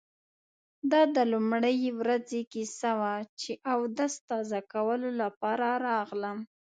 دا د لومړۍ ورځې کیسه وه چې اودس تازه کولو لپاره راغلم.